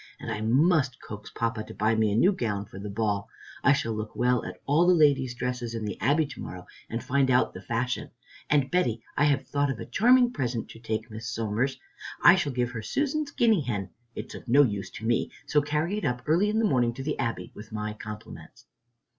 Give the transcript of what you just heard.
And I must coax Papa to buy me a new gown for the ball. I shall look well at all the ladies' dresses at the Abbey to morrow and find out the fashion. And Betty, I have thought of a charming present to take Miss Somers. I shall give her Susan's guinea hen. It's of no use to me, so carry it up early in the morning to the Abbey, with my compliments."